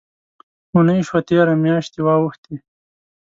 اوونۍ شوه تېره، میاشتي واوښتې